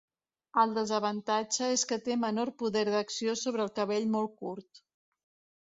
El desavantatge és que té menor poder d'acció sobre el cabell molt curt.